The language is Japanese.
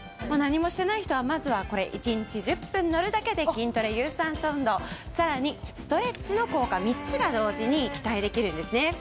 もう何もしてない人はまずはこれ１日１０分乗るだけで筋トレ有酸素運動さらにストレッチの効果３つが同時に期待できるんですね。